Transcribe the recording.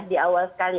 di awal sekali